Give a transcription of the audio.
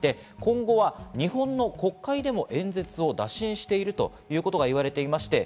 今後は日本の国会でも演説を打診しているということがいわれています。